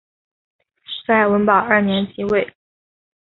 在文保二年即位。